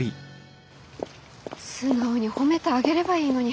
素直に褒めてあげればいいのに。